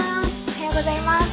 おはようございます。